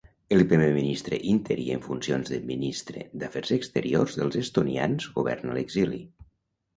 El primer ministre interí en funcions de Ministre d'Afers Exteriors dels estonians govern a l'exili.